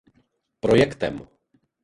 Projektem.